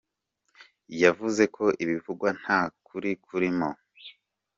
Yavuze ko ibivugwa nta kuri kurimo.